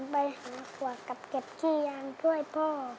ไปหาขวดกับเก็บขี้ยางช่วยพ่อ